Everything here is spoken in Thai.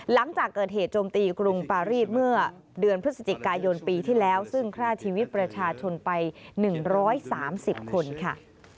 หลังจากเกิดเหตุโจมตีกรุงปารีสเมื่อเดือนพฤศจิกายนปีที่แล้วซึ่งฆ่าชีวิตประชาชนไป๑๓๐คนค่ะ